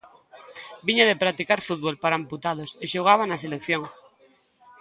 Viña de practicar fútbol para amputados e xogaba na selección.